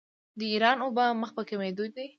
د ایران اوبه مخ په کمیدو دي.